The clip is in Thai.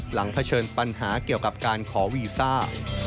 เผชิญปัญหาเกี่ยวกับการขอวีซ่า